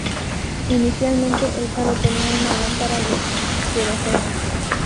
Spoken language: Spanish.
Inicialmente el faro tenía una lámpara de queroseno.